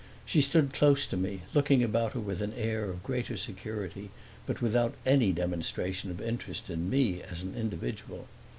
She stood close to me, looking about her with an air of greater security but without any demonstration of interest in me as an individual.